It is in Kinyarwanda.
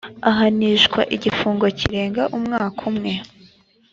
ahanishwa igifungo kirenze umwaka umwe